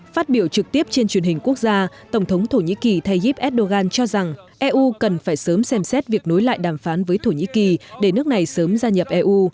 phát biểu trực tiếp trên truyền hình quốc gia tổng thống thổ nhĩ kỳ tayyip erdogan cho rằng eu cần phải sớm xem xét việc nối lại đàm phán với thổ nhĩ kỳ để nước này sớm gia nhập eu